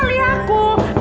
heran kali aku